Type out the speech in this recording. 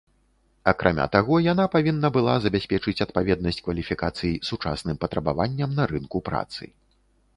Акрамя таго, яна павінна была забяспечыць адпаведнасць кваліфікацый сучасным патрабаванням на рынку працы.